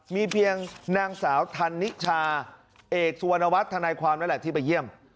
มีเพียงนางสาวธันนิชาเอกสุวรรณวัฒน์ทนายความนั่นแหละที่ไปเยี่ยม